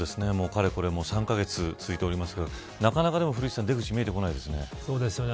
かれこれ３カ月続いておりますがなかなか古市さん出口が見えてこないですね。